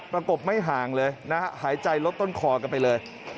กบไม่ห่างเลยนะฮะหายใจลดต้นคอกันไปเลย